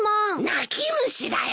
泣き虫だよ。